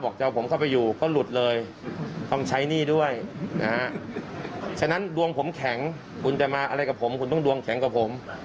คุณต้องดวงแข็งกว่าผม